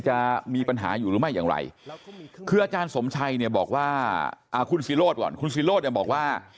คืออาจารย์สมชัยบอกว่าคุณสิโรธก่อนคุณสิโรธบอกว่า